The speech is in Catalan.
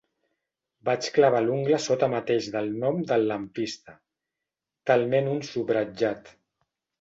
Vaig clavar l'ungla sota mateix del nom del lampista, talment un subratllat.